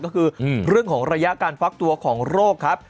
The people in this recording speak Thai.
ก็คือเรื่องของระยะการฟักตัวของโรคครับ